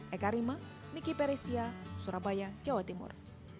eka rima miki peresia surabaya jawa timur